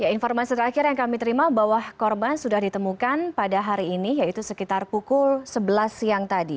informasi terakhir yang kami terima bahwa korban sudah ditemukan pada hari ini yaitu sekitar pukul sebelas siang tadi